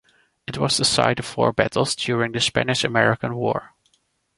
It was the site of four battles during the Spanish American War.